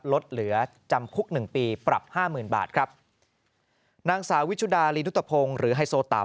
ลดเหลือจำคุกหนึ่งปีปรับห้าหมื่นบาทครับนางสาววิชุดาลีนุตพงศ์หรือไฮโซต่ำ